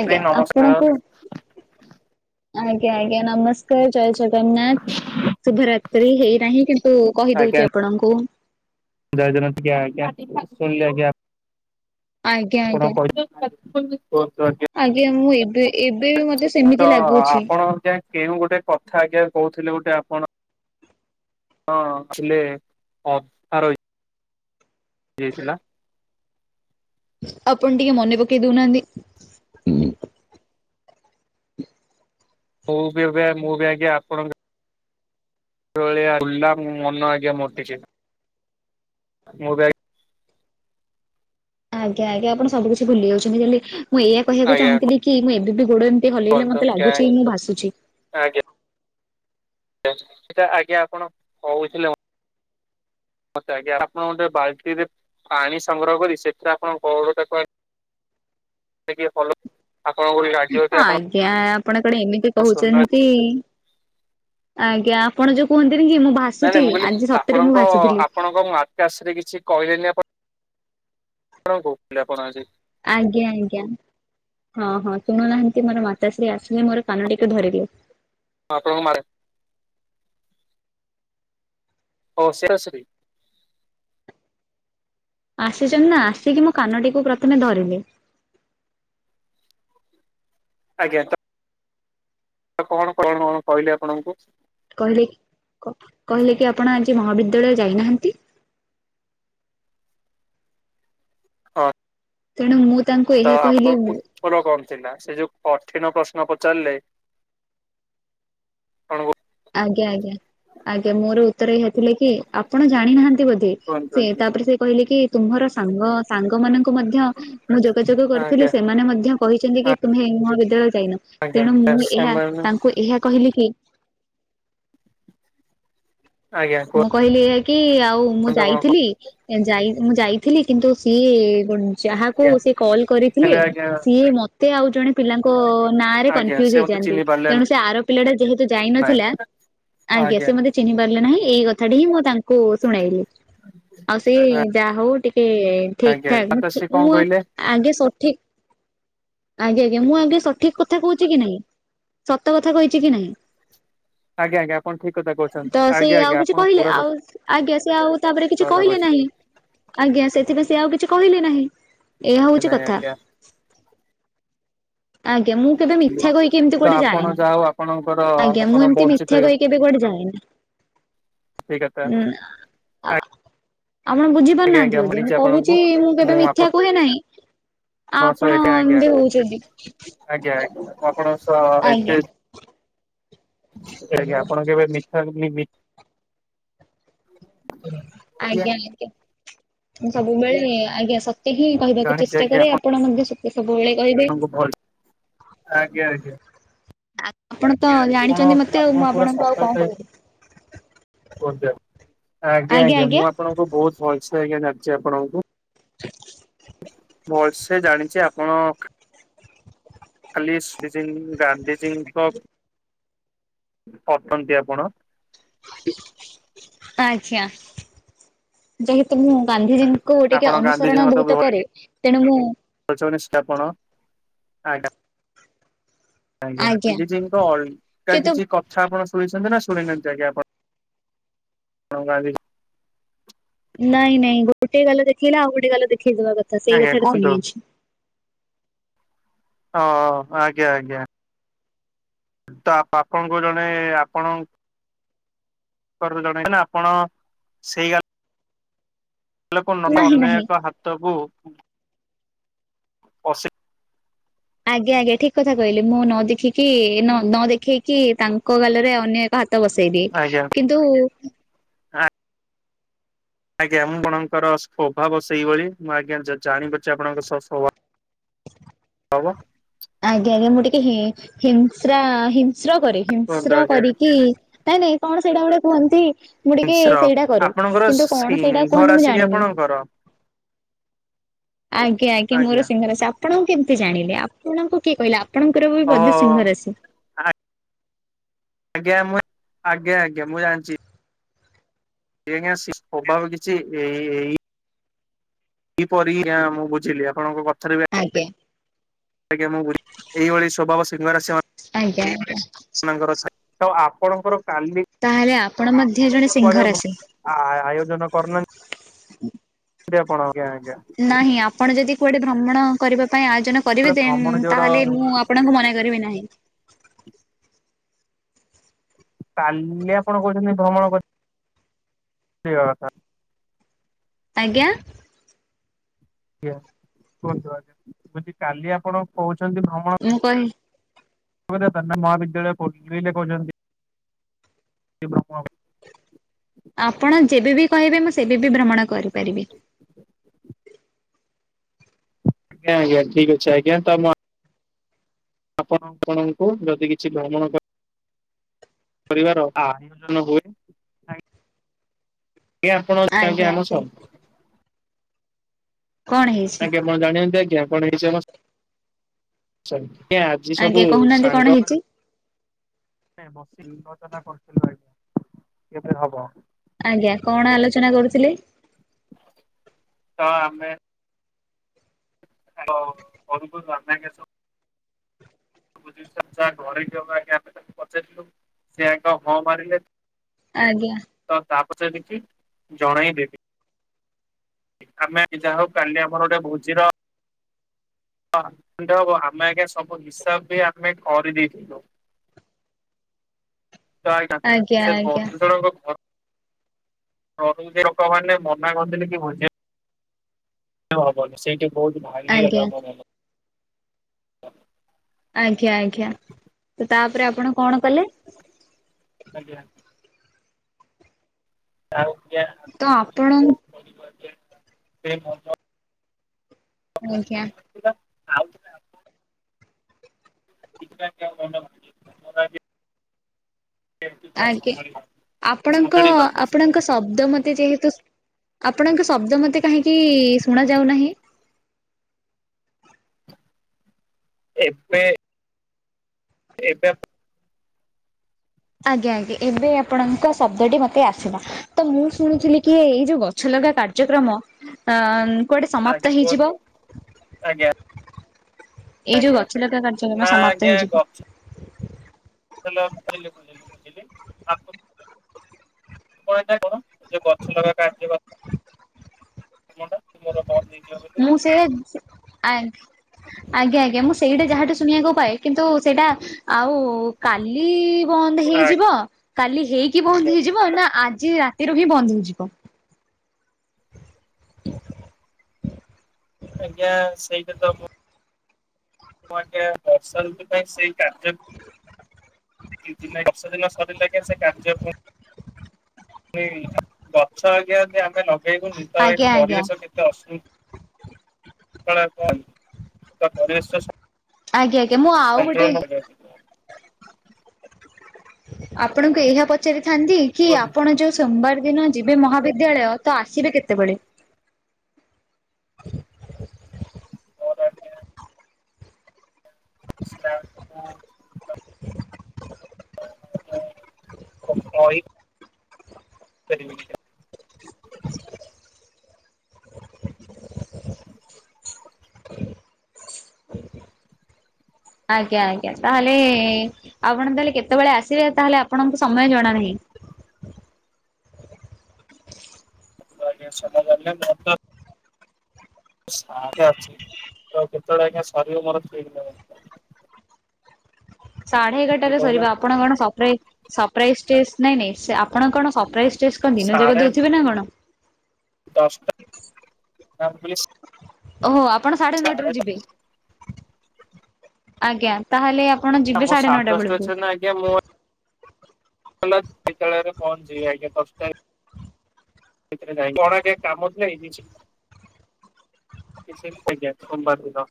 ଆଜ୍ଞା ଭାଇ ନମସ୍କାର ଆପଣଙ୍କୁ ଆଜ୍ଞା ଆଜ୍ଞା ନମସ୍କ ଜୟ ଜଗନ୍ନାଥ ଶୁଭରାତ୍ରି ହେଇନାହିଁ କିନ୍ତୁ କହି ଆଜ୍ଞା ଦୋଉଚି ଆପଣଙ୍କୁ। ଜୟ ଜଗନ୍ନାଥ [unintelligible] ଆଜ୍ଞା ଆଜ୍ଞା ଆପଣ ଆଜ୍ଞା। [unintelligible] ଆଜ୍ଞା ମୁଁ ଏବେ ଏବେ ବି ମତେ ତ ସେମିତି ଲାଗୁଛି। ଆପଣ ଆଜ୍ଞା କେଉଁ ଗୋଟେ କଥା ଆଜ୍ଞା କୋହୁଥିଲେ ଗୋଟେ ଆପଣ ହଁ ଥିଲେ ଅଧା [unintelligible] ଥିଲା। ଆପଣ ଟିକେ ମନେ ପକେଇ ଦଉନାହାନ୍ତି? ମୁଁ ବି ଏବେ ମୁଁ ବି ଆଜ୍ଞା ଆପଣଙ୍କ [unintelligible] ବୁଲିଲା ମନ ଆଜ୍ଞା ମୋର ଟିକେ ମୁଁ ବି ଆ ଆଜ୍ଞା ଆଜ୍ଞା ଆପଣ ସବୁ କିଛି ଭୁଲି ଯାଉଛନ୍ତି ଖାଲି ମୁଁ ଏଇଆ କହିବାକୁ ଆଜ୍ଞା ଚାହୁଁଥିଲି କି ମୁଁ ଏବେ ବିି ଗୋଡ ହଲେଇ ହେଲେ କୁହନ୍ତୁ ମତେ ଲାଗୁଚି ମୁଁ ଭାସୁଚି। ଆଜ୍ଞା। ସେଟା ଆଜ୍ଞା ଆପଣ କହୁଥିଲେ ମତେ ଆଜ୍ଞା ଆପଣ ଗୋଟେ ବାଲ୍ଟି ରେ ପାଣି ସଂଗ୍ରହ କରି ସେଥିରେ ଆପଣଙ୍କ [unintelligible] ଟିକେ ଆପଣ [unintelligible] ହଁ ଆଜ୍ଞା ଆପଣ କଆଡେ ଏମିତି ଶୂନ୍ୟ କହୁଛନ୍ତି? ଆଜ୍ଞା ଆପଣ ଯୋଉ କୁହନ୍ତିନି କି ମୁଁ ଭାସୁଚି ଆଜି ସତରେ ମୁଁ ଭାସୁଥିଲି। ଏବଂ ଆକାଶରେ କିଛି କହିଲେନି ଆପଣ ଆ କଣ କହୁଥିଲେ ଆପଣ ଯେ ଆଜ୍ଞା ଆଂଜ୍ଞା। ହଁ ହଁ ଶୁଣୁନାହାନ୍ତି ମୋର ମାତା ଶ୍ରୀ ଆସିଲେ ମୋର କାନ ଟିକେ ଧରିଲେ। ହପଣଙ୍କୁ ମାରେ ଓ ସେଟା ସେଟି ଆସିଛନ୍ତି ନା ଆସିକି ମୋ କାନଟିକୁ ପ୍ରଥମେ ଧରିଲି ଆଜ୍ଞା ତ କଣ କଣ କହିଲେ ଆପଣଙ୍କୁ? କହିଲେ କହିଲେ କି ଆପଣ ଆଜି ମହାବିଦ୍ୟାଳୟ ଯାଇନାହାନ୍ତି। ହଁ ତେଣୁ ମୁଁ ତାଙ୍କୁ ତ ଏହା କହିଲି ଆପଙ୍କୁ ର କଣ ଥିଲା ସେ ଯୋଉ କଠିନ ପ୍ରଶ୍ନ ପଚାରିଲେ ଅନଣୁ ଆଜ୍ଞା ଆଜ୍ଞା ଆଜ୍ଞା ମୋର ଉତ୍ତର ଇହା ଥିଲେ କି ଆପଣ ଜାଣିନାହାନ୍ତି ବୋଧେ କୁହନ୍ତୁ ସେ ତାପରେ ସେ କହିଲେ କି ତୁମର ସାଙ୍ଗ ସାଙ୍ଗ ମାନଙ୍କୁ ମଧ୍ୟ ମୁଁ ଯୋଗାଯୋଗ କରିଥିଲି ଆଜ୍ଞା ସେମାନେ ମଧ୍ୟ କହିଛନ୍ତି କି ତୁମେ ଏଇ ମହାବିଦ୍ୟାଳୟ ଯାଇନ ଆଜ୍ଞା ତେଣୁ ଆଜ୍ଞା ମୁଁ ଏହା ସେମାନେ ତାଙ୍କୁ ଏହା କହିଲି କି ଆଜ୍ଞା ମୁଁ କୁହନ୍ତୁ କହିଲି ଏୟା କି ଆଉ ମୁଁ ଆପଣ କଣ ଯାଇଥିଲି ଏ ଯାଇ ମୁଁ ଯାଇଥିଲି କିନ୍ତୁ ସିଏ ଯାହାକୁ ଆଜ୍ଞା ସିଏ କଲ୍ କରିଥିଲେ ହେଲେ ଆଜ୍ଞା ସିଏ ମତେ ଆଉ ଜଣେ ପିଲାଙ୍କ ନାଁ ରେ ଆଜ୍ଞା କନଫ୍ୟୁଜ ସେ ମତେ ହେଇଯାଆନ୍ତି ଚିହ୍ନି ପାରିଲେ ତେଣୁ ସେ ଆର ପିଲାଟା ଯେହେତୁ ନାଇଁ ଯାଇନଥିଲା ଆ ଗ୍ୟାସେ ଆଜ୍ଞା ମୋତେ ଚିଂହି ପାରିଲେ ନାହିଁ ଏଇ କଥାଟି ହିଁ ମୁଁ ତାଙ୍କୁ ଶୁଣେଇଲି ଆଉ ସେ ଯାହା ହଉ ଟିକେ ଠିକ ଆଜ୍ଞା ଠାକ ତ ଠି ସେ ମୁଆ କଣ ମୁଁ କହିଲେ ଆଗେ ସଠିକ ଆଜ୍ଞା ଆଜ୍ଞା ମୁଁ ଆଜ୍ଞା ସଠିକ କଥା କହୁଛି କି ନାଇଁ ସତ କଥା କହିଛି କି ନାଇଁ ଆଜ୍ଞା ଆଜ୍ଞା ଆପଣ ଠିକ କଥା କହୁଛନ୍ତି ତ ସେ ଆଜ୍ଞା ଆଉ ଆଜ୍ଞା କିଛି ଆପଣ କହିଲେ ପୁରା ସତ ଆଉ ଆଜ୍ଞା ସେ ଆଉ ତାପରେ କିଛି କଥା କହିଲେ କହିଛନ୍ତି ନାହିଁ ଆଜ୍ଞା ସେଥିପାଇଁ ସିଏ ଆଉ କିଛି କହିଲେ ନାହିଁ ଏୟା ହଉଛି ନାଇଁ କଥା ଆଜ୍ଞା ଆଜ୍ଞା ମୁଁ କେବେ ମିଥ୍ୟା କହିକି ଏମିତି ତ କୋଟେ ଆପଣ ଯାଏନି ଯାହା ହଉ ଆପଣଙ୍କର ଆଜ୍ଞା ଆପଣ ମୁଁ ଏମିତି ବଞ୍ଚିତ ମିଥ୍ୟା ହେଇ କହିକି କେବେ କୋଆଡେ ଯାଏନି [inaudible] ଠିକ୍ ଅଛେ ଆ ଆପଣ ବୁଝିପାରୁନାହାନ୍ତି ବୋଧି ମୁଁ ମିଳିଛି ଆପଣଙ୍କୁ କହୁଛି ମୁଁ କେବେ ମିଥ୍ୟା କୁହେ ନାହିଁ ଆ ସହ ଆପଣ ଏଇଠି ଆଜ୍ଞା। ଏମୀତି ହଉଛନ୍ତି ଆଜ୍ଞା ଆଜ୍ଞା ମୁ ଆପଣ ସ ଆଜ୍ଞା ଏତେ ଏ ଆଜ୍ଞା ଆପଣ କେ ଏବେ ମିଠା ଘୁଗୁନି ବି ଆଜ୍ଞା ଆଜଞା ମୁଁ ସବୁ ମିଳେ ଆଜ୍ଞା ସ ତେ ହିଁ କହିବାକୁ ଜାଣିଛି ଚେଷ୍ଟା ଆଜ୍ଞା କରେ ଆପଣ ମଧ୍ୟ ଶୁ ସେ ସବୁବେଳେ କହିବେ ଆପଣଙ୍କୁ ଭଲ ଆଜ୍ଞା ଆଜ୍ଞା ଆପଣ ତ ଆପଣ ଜାଣିଛନ୍ତି ମତେ ଆଉ ଆପଣ ମୁଁ ପୁରା ଆପଣଙ୍କୁ ଆଉ ସତର୍କ କଣ ହେଇ କହିବି କୁହନ୍ତୁ ଆଜ୍ଞା ଆଜ୍ଞା ମୁଁ ଆ ଆପଣଙ୍କୁ ବହୁତ ଭଲସେ ଆଜ୍ଞା ଯାଛି ଆପଣଙ୍କୁ [inaudible] ଭଲସେ ଜାଣିଛି ଆପଣ ଖାଲି ଶ୍ରୀ ଯିଇ ଗାନ୍ଧିଜୀଙ୍କ ଅଟନ୍ତି ଆପଣ ଆଛା ଯେତ ତ ମୁଁ ଗାନ୍ଧିଜୀଙ୍କୁ ଟିକେ ଆପଣ ଅନୁସରଣ ବହୁତ କରେ ତେଣୁ ମୁଁ କଚନ ଷ୍ଟପଣ ଆ ଆଜ୍ଞା ତ ଜିଜିଙ୍କ ଅଲଗା କିନ୍ତୁ କିଛି କ ଥା ଆପଣ ଶୁଣିଛନ୍ତି ନା ଶୁଣିନାହାନ୍ତି ଆଜ୍ଞା ଆପଣ ଅଲଗା କିଛି ନାଇଁ ନାଇଁ ଗୋଟେ ଗାଲ ଦେଖେଇଲେ ଆଉ ଗୋଟେ ଗାଲ ଦେଖେଇଦବା କଥା ସେଇ ଆଜ୍ଞା କଥାଟା କୁହନ୍ତୁ ଶୁଣି ଯାଇଛି ହ ଆଜ୍ଞା ଆଜ୍ଞା ତ ଆପଣଙ୍କୁ ଜଣେ ଆପଣ ତ ରୁ ରୁ ଜଣେ ନାଁ ଆପଣ ସେଇ ଲୋକ ନ ନାହିଁ ନାହିଁ ଅନେକ ହାତକୁ ଅଶିକ ଆଜ୍ଞା ଆଜ୍ଞା ଠିକ କଥା କହିଲି ମୁଁ ନ ଦେଖିକି ନ ନ ଦେଖେଇକି ତାଙ୍କ ଗାଲରେ ଅନ୍ୟ ଭାତ ବସେଇବି, ଆଜ୍ଞା। କିନ୍ତୁ ଆଜ୍ଞା। ମୁଁ ଆଣଙ୍କର ସ୍ୱଭାବ ସେଇଭଳି। ମୁଁ ଆଜ୍ଞା ଜାଣିିପାରୁଛି ଆପଣଙ୍କର ସ୍ୱଭା [unintelligible] ଆଜ୍ଞା ଆଜ୍ଞା ମୁଁ ଟିକେ ହିଂ ହିଂସ୍ରା ହିସ୍ର କରେ କୁହନ୍ତୁ ହିସ୍ର ଆଜ୍ଞା କରିକି ନାଇଁ ନାଇଁ କଣ ସେଇଟା ଗୋଟେ କୁହନ୍ତି ମୁଁ ଟିକେ ମିଶ୍ର ସେଇଟା କରେ। ଆପଣଙ୍କର କିନ୍ତୁ କଣ ସେଇଟା ସିଂହ କୁହନ୍ତି ମୁଁ ରାଶି କି ଜାଣିନି। ଆପଣଙ୍କର ଆଜ୍ଞା ଆଜ୍ଞା ମୋର ସିଂହ ରାଶି। ଆପଣଙ୍କୁ କେମିତି ଜାଣିଲି। ଆପଣଙ୍କୁ କିଏ କହିଲା? ଆ ଆପଣଙ୍କର ବି ଓ ବୋଧେ ସିଂହ ରାଶି? ଆଜ୍ଞା ମୁଁ ଆଜ୍ଞା ଆଜ୍ଞା ମୁଁ ଜାଣିଚି। ସିଂହ ରାଶି ସ୍ୱଭାବ କିିଛି ଏଇ ଏଇ କିପରି ଆ ମୁଁ ବୁଝିଲି ଆପଣଙ୍କ କ [unintelligible] ଆଜ୍ଞା ଆଜ୍ଞା ମୁଁ ବୁ, ଏଇଭଳି ସ୍ୱଭାବ ସିଂହରାଶି ମା ଆଜ୍ଞା ଆଜ୍ଞା ଙ୍କର ଥାଏ। ତ ଆପଣଙ୍କର କାଲି ତାହେଲେ ଆପଣ ମଧ୍ୟ ଜଣେ କୁଆଡେ ସିଂଘ ରାଶି। ଆ ଆୟୋଜନ କରୁନାହାନ୍ତି। [inaudible] [unintelligible] ନାହିଁ, ଆପଣ ଯଦି କୁଆଡେ ଭ୍ରମଣ କରିବା ପାଇଁ ଆୟୋଜନ କରିବେ ଗୋଟେ ଦେନ୍ ଭ୍ରମଣ ଯୋର ତାହେଲେ ମୁଁ ଆ ଆପଣଙ୍କୁ ମନା କରିବେ ନାହିଁ। କାଲି ଆପଣ କହୁଛନ୍ତି ଭ୍ରମଣ କରି। [unintelligible] ଆଜ୍ଞା? ଆଜ୍ଞା କୁହନ୍ତୁ ଆଜ୍ଞା। ମୁଁ କହିଲି କାଲି ଆପଣ କହୁଛନ୍ତି ଭ୍ରମଣ ମୁଁ କହି [unintelligible] ମହାବିଦ୍ୟାଳୟ। [unintelligible] ଆପଣ ଯେବେବି କହିବେ ମୁଁ ସେବେବି ଭ୍ରମଣ କରିପାରିବି। ଆଜ୍ଞା ଆଜ୍ଞା ଠିକ୍ ଅଛି ଆଜ୍ଞା। ତ ମ ଆପଣ ଆପଣଙ୍କୁ ଯଦି କିଛି ଭ୍ରମଣ କରି କରିବାର ଆୟୋଜନ ହୁଏ। ଆଜ୍ଞା [unintelligible] ଆମ ଆଜ୍ଞା ସ କଣ ହେଇଛି? [unintelligible] ଆଜି ସବୁ ଆଜ୍ଞା କହୁନାହାନ୍ତି କଣ ସାଙ୍ଗମାନେ ହେଇଛି? ନାଇଁ ବସିକି [unintelligible] କେବେ ହବ? ଆଜ୍ଞା କଣ ଆଲୋଚନା କରୁଥିଲେ? ତ ଆମେ [unintelligible] ସବୁ ଜିନିଷ ଯାହା ଘରେ ଥିବ ଆଗ ଆମେ ତାକୁ ପଚାରିଲୁ ସେ ଆଗ ହଁ ମାରିଲେ। ଆଜ୍ଞା। ତ ତାପରେ ସେ କିଛି ଜଣେଇଲେନି। ଆମେ ଯାହା ହଉ କାଲି ଆମର ଗୋଟେ ଭୋଜିର ହଁ ହବ ଆମେ ଆଜ୍ଞା ସବୁ ହିସାବ ବି ଆମେ କରିଦେଇଥିଲୁ। ଆଜ୍ଞା [unintelligible] ସେ ଆଜ୍ଞା ବନ୍ଧୁ ଜଣଙ୍କ ଘର [unintelligible] ଲୋକ ମାନେ ମନା କରିଦେଲେ କି ଭୋଜି ହବନି। ସେଇଠି ବହୁତ ଭାରି ଆଜ୍ଞା ହେଇଗଲା ମୋ ମନ। ଆଜ୍ଞା ଆଜ୍ଞା। ତ ତାପରେ ଆପଣ କଣ କଲେ? ଆଜ୍ଞା। ଆଉ କିଆଁ ତ ଆପଣ [unintelligible] ଭାଙ୍ଗି ଆଜ୍ଞା। ଯାଇଥିଲା ଆଉ [unintelligible] ଆଜ୍ଞା। ଆପଣଙ୍କ ସଜାଡି ପାରିଲେ ସେ ଆପଣଙ୍କ ମନକୁ। ଶବ୍ଦ ମତେ ଯେହେତୁ ଆପଣଙ୍କ ଶବ୍ଦ ମତେ କାହିଁକି ଶୁଣା ଯାଉନାହିଁ? ଏବେ ଏବେ ଆଜ୍ଞା ଆଜ୍ଞା ଏବେ ଆପଣଙ୍କ ଶବ୍ଦଟି ମତେ ଆସିଲା। ତ ମୁଁ ଶୁଣୁଥିଲି କି ଏଇ ଯୋଉ ଗଛ ଲଗା କାର୍ଯ୍ୟକ୍ରମ। ଅଁ କୁଆଡେ ଆଜ୍ଞା ସମାପ୍ତ ହେଇଯିବ? କୁହନ୍ତୁ ଆଜ୍ଞା। ଏଇ ଯୋଉ ଆଜ୍ଞା ଗଛ ଲଗା କାର୍ଯ୍ୟକ୍ରମ ନା ସମାପ୍ତ ହେଇଯିବ। ହାଲୋ ବୁଝିଲି ବୁଝିଲି ବୁଝିଲି। ହଁ ଏଟା କଣ ଯୋଉ ଗଛ ଲଗା କାର୍ଯ୍ୟକ ମୋର ବନ୍ଦ ହେଇଯିବ ବୋଲି ମୁଁ ସେଇଆ ଆଣ୍ଟ ଆଜ୍ଞା ଆଜ୍ଞା ମୁଁ ସେଇଟା ଯାହାଠୁ ଶୁଣିବାକୁ ପାଏ କିନ୍ତୁ ସେଇଟା ଆଉ କାଲି ବନ୍ଦ ହେଇଯିବ ଆଜ୍ଞା କାଲି ହେଇକି ବନ୍ଦ ହେଇଯିବ ନା ଆଜି ରାତିରୁ ହିଁ ବନ୍ଦ ହେଇଯିବ? [unintelligible] ଆଜ୍ଞା ସେଇଟା ତ ମୁ ମୁଁ ଆଜ୍ଞା ବର୍ଷା ଋତୁ ପାଇଁ ସେଇ କାର୍ଯ୍ୟ କିଛି ନାଇ ଦଶ ଦିନ ସରିଲେ ଆଜ୍ଞା ସେ କାର୍ଯ୍ୟକ [unintelligible] ଗଛ ଆଜ୍ଞା ଯଦି ଆମେ ଲଗେଇବୁନି ତ ଏଇ ଆଜ୍ଞା ଆଜ୍ଞା ପରିବେଶ କେତେ ଅସୁ କଣାକ ତ ପରିବେଶ ଆଜ୍ଞା ଆଜ୍ଞା ମୁଁ ଆଉ ଗୋଟେ ସନ୍ତୁଳନ ଆପଣଙ୍କୁ ଏହା ପଚାରିଥାନ୍ତି କି ଆପଣ ଯୋଉ ସୋମବାର ଦିନ ଯିବେ ମହାବିଦ୍ୟାଳୟ ତ ଆସିବେ କେତେବେଳେ? [unintelligible] ଶ୍ଲାଟ କୁ। କ-କହି କରିବି ହ ଆଜ୍ଞା ଆଜ୍ଞା ତାହେଲେ ଆପଣ ତାହେଲେ କେତେବେଳେ ଆସିବେ ତାହେଲେ ଆପଣଙ୍କୁ ସମୟ ଜଣା ନାହିଁ? ଆଜ୍ଞା ସତ କହିଲେ ମତ ଶାତ ଅଛି ତ କେତେବେଳେ ଆଜ୍ଞା ସରିବ ମୋର ଠିକ୍ ନାହିଁ ସାଢେ ଏଗାରଟାରେ କହୁନା ସରିବ ଆପଣ କଣ ସପ୍ରାଇଜ ସପ୍ରାଇଜ ଟେଷ୍ଟ ନାଇଁ ନାଇଁ ସ ଆପଣ କଣ ସପ୍ରାଇଜ ଟେଷ୍ଟ କଣ ଦିନ ଯାକ ସାଢେ ଦଉଥିବେ ନା କଣ? ଦଶଟା ନା ମୁଁ କହିଲି ଓହୋ ଆପଣ ସାଢେ ନଅଟାରୁ ଯିବେ? ଆଜ୍ଞା ତାହେଲେ ଆପଣ ଯିବେ ମୁଁ ସାଢ଼େ ସାଢେ ନଅଟା ଦଶଟା ବେଳକୁ? ଅଛି ଆଜ୍ଞା ମୁଁ ହେଲା ବିଦ୍ୟାଳୟ ରେ ପହଞ୍ଚିବି ଆଜ୍ଞା ଦଶ ଟା ସେଇଥିରେ ଯାଇ କଣ ଏ ଟିକେ କାମ ଥିଲା [unintelligible] କିଛି ସେମିତି ପରୀକ୍ଷା ସୋମବାର ଦିନ।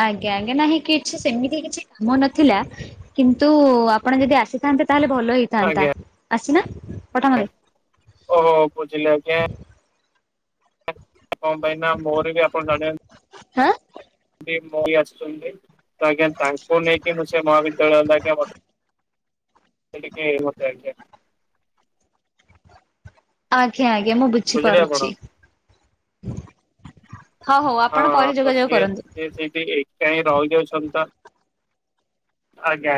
ଆଜ୍ଞା ଆଜ୍ଞା ନାହିଁ କିଛି ସେମିତି କିଛି କାମ ନଥିଲା। କିନ୍ତୁ ଆପଣ ଯଦି ଆସିଥାନ୍ତେ ତାହେଲେ ଭଲ ହେଇଥାନ୍ତା ଆଜ୍ଞା। ଆଶୁନ ପଠାମରେ। ଓହୋ ବୁଝିଲି ଆଜ୍ଞା। କଣ ପାଇଁ ନା ମୋର ବି ଆପଣ ଜଣେ ହାଁ। ବି ମୋ ବି ଆସୁଛନ୍ତି। ଆଜ୍ଞା ତାଙ୍କୁ ନେଇକି ମୁଁ ସେ ମହାବିଦ୍ୟାଳୟ ଜାକେ ସେଇଠିକି ମୋତେ ଆଜ୍ଞା। ଆଜ୍ଞା ଆଜ୍ଞା ମୁଁ ବୁଝିଲେ ବୁଝିପାରୁଛି। ଆପଣ ହଉ ହଉ ହଁ ଆପଣ ପରେ ତ ଯୋଗାଯୋଗ ସିଏ କରନ୍ତୁ। ସିଏ ସେଇଠି ଏକା ହିଁ ରହୁଯାଉଛନ୍ତି ତ ଆଜ୍ଞା